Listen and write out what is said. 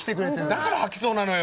だから吐きそうなのよ。